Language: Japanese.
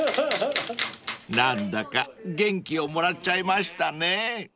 ［何だか元気をもらっちゃいましたね］